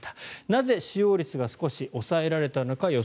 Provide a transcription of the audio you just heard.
なぜ、予測よりも使用率が少し抑えられたのか。